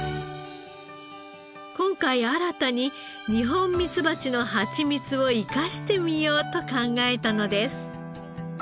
今回新たにニホンミツバチのハチミツを生かしてみようと考えたのです。